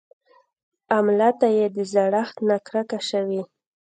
املته يې د زړښت نه کرکه شوې.